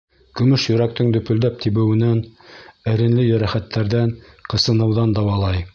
Көмөш йөрәктең дөпөлдәп тибеүенән, эренле йәрәхәттәрҙән, ҡысыныуҙан дауалай.